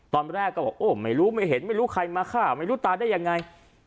ตอนแรกก็บอกโอ้ไม่รู้ไม่เห็นไม่รู้ใครมาฆ่าไม่รู้ตายได้ยังไง